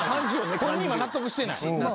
本人は納得してない？